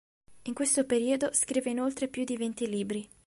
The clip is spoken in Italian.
In questo periodo scrive inoltre più di venti libri.